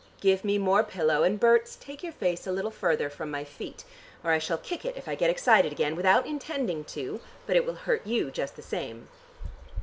Give me more pillow, and Berts, take your face a little further from my feet. Or I shall kick it, if I get excited again, without intending to, but it will hurt you just the same."